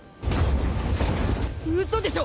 嘘でしょ！？